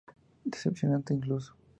Decepcionante, incluso".